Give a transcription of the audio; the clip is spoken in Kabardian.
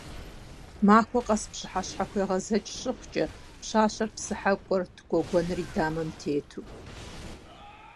Махуэ къэс пщыхьэщхьэхуегъэзэкӀ щыхъукӀэ, пщащэр псыхьэ кӀуэрт гуэгуэныр и дамэм тету.